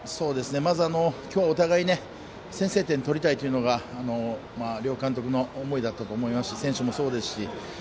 まずお互い先制点取りたいというのが両監督の思いだったと思いますし選手もそうですし。